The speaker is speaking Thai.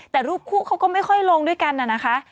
แต่รูปคู่เขาก็ไม่ค่อยลงด้วยกันน่ะนะคะ